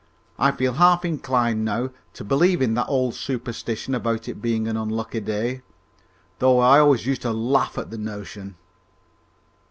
"I feel half inclined to believe now in the old superstition about it being an unlucky day, though I always used to laugh at the notion!"